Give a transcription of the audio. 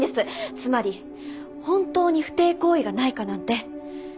つまり本当に不貞行為がないかなんて。